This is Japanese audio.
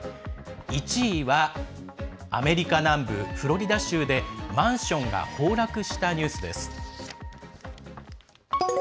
１位はアメリカ南部フロリダ州でマンションが崩落したニュースです。